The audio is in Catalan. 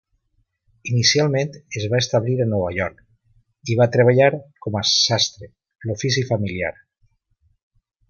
Inicialment es va establir a Nova York i va treballar com a sastre, l'ofici familiar.